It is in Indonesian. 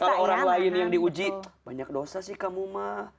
kalau orang lain yang diuji banyak dosa sih kamu mah